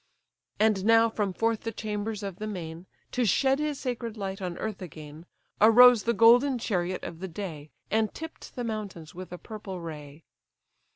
And now from forth the chambers of the main, To shed his sacred light on earth again, Arose the golden chariot of the day, And tipp'd the mountains with a purple ray.